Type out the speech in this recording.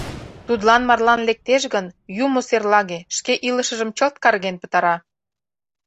Тудлан марлан лектеш гын, юмо серлаге, шке илышыжым чылт карген пытара.